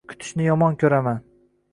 Kutishni yomon ko`raman